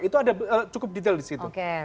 itu ada cukup detail disitu